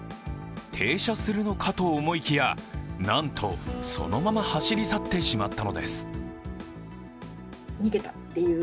停車するのかと思いきやなんとそのまま走り去ってしまったのです。